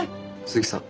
鈴木さん。